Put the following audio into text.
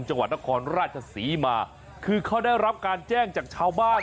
จังหวัดนครราชศรีมาคือเขาได้รับการแจ้งจากชาวบ้าน